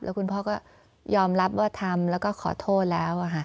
คุณพ่อก็ยอมรับว่าทำแล้วก็ขอโทษแล้ว